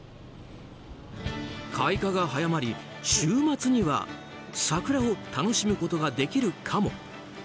開花が早まり、週末には桜を楽しむことができるかも。